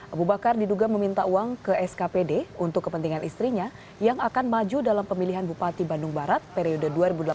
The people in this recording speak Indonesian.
abu bakar diduga meminta uang ke skpd untuk kepentingan istrinya yang akan maju dalam pemilihan bupati bandung barat periode dua ribu delapan belas dua ribu dua puluh